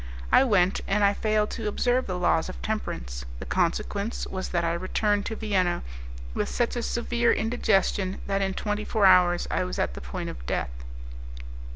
I went, and I failed to observe the laws of temperance; the consequence was that I returned to Vienna with such a severe indigestion that in twenty four hours I was at the point of death.